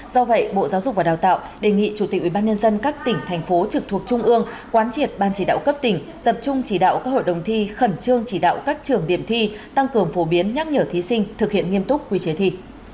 do vậy bộ giáo dục và đào tạo đề nghị chủ tịch ubnd các tỉnh thành phố trực thuộc trung ương quán triệt ban chỉ đạo cấp tỉnh tập trung chỉ đạo các hội đồng thi khẩn trương chỉ đạo các trường điểm thi tăng cường phổ biến nhắc nhở thí sinh thực hiện nghiêm túc quy chế thi